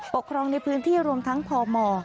ครองในพื้นที่รวมทั้งพม